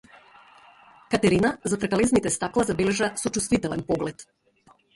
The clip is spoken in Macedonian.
Катерина зад тркалезните стакла забележа сочувствителен поглед.